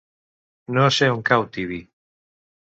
No sé on cau Tibi.